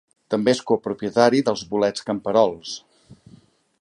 També és copropietari de bolets camperols.